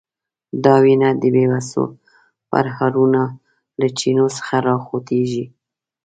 دا وینه د بیوسو پرهرونو له چینو څخه راخوټېږي.